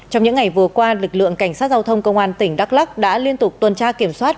trong những ngày vừa qua lực lượng cảnh sát giao thông công an tỉnh đắk lắc đã liên tục tuần tra kiểm soát